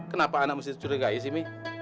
kenapa anak mesti curigai sih mi